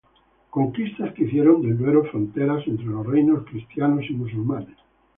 Conquistas que hicieron del Duero frontera entre los reinos cristianos y musulmanes.